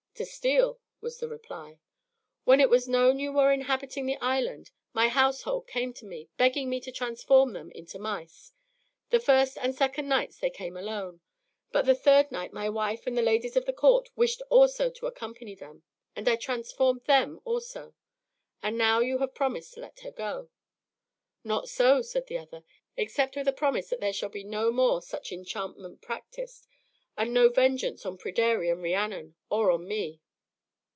"To steal," was the reply. "When it was known that you were inhabiting the island, my household came to me, begging me to transform them into mice. The first and second nights they came alone, but the third night my wife and the ladies of the court wished also to accompany them, and I transformed them also; and now you have promised to let her go." "Not so," said the other, "except with a promise that there shall be no more such enchantment practised, and no vengeance on Pryderi and Rhiannon, or on me."